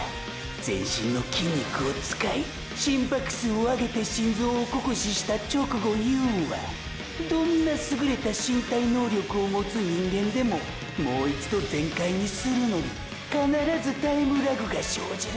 全身の筋肉を使い心拍数を上げて心臓を酷使した直後いうんはどんな優れた身体能力を持つ人間でももう一度全開にするのに必ずタイムラグが生じる！！